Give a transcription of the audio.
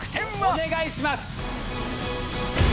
お願いします。